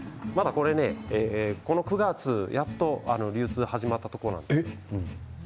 この９月にやっと流通が始まったところなんです。